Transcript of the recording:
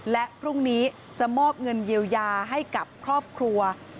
และพรุ่งนี้จะมอบเงินเยียวยาให้กับครอบครัว